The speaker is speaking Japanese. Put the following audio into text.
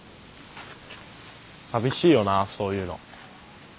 寂しいよなそういうの。